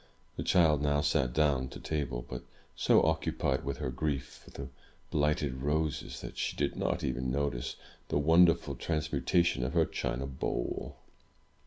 The child now sat down to table, but so occupied with her grief for the blighted roses that she did not even notice the won derful transmutation of her china bowl.